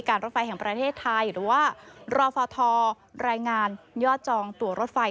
รถไฟแห่งประเทศไทยหรือว่ารฟทรายงานยอดจองตัวรถไฟ